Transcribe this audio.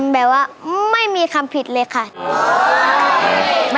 แบบว่าไม่มีคำผิดเลยค่ะ